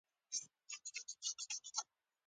کوم وطن دار به مې څنګ ته روان و.